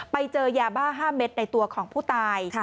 ไปเจอยาบ้า๕เม็ดในตัวของผู้ตาย